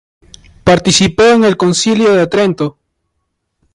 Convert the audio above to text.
Participó en el Concilio de Trento.